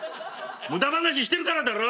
無駄話してるからだろ！